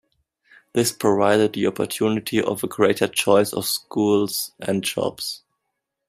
This provided the opportunity of a greater choice of schools and jobs.